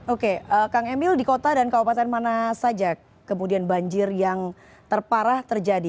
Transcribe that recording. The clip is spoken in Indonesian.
oke kang emil di kota dan kabupaten mana saja kemudian banjir yang terparah terjadi